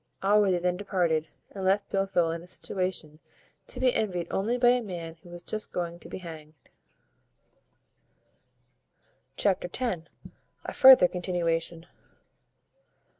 Allworthy then departed, and left Blifil in a situation to be envied only by a man who is just going to be hanged. Chapter ix. A further continuation.